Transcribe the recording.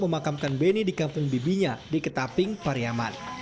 memakamkan beni di kampung bibinya di ketaping pariaman